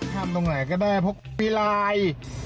ข้ามตรงไหนก็ได้เพราะมีลาย